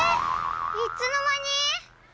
いつのまに？